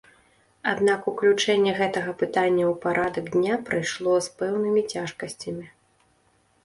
Аднак уключэнне гэтага пытання ў парадак дня прайшло з пэўнымі цяжкасцямі.